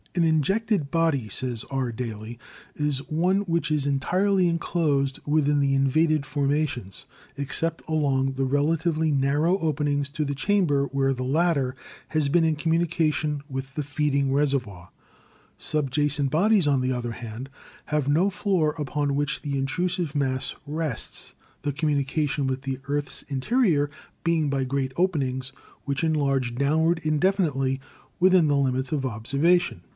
"An injected body," says R. Daly, "is one which is entirely enclosed within the invaded formations, except along the relatively narrow openings to the chamber where the latter has been in communication with the feeding reservoir." Subjacent bodies, on the other hand, have no floor upon which the intrusive mass rests, the communication with the earth's interior being by great openings which enlarge downward indefinitely within the limits of observation.